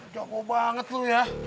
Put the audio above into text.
cokok banget lu ya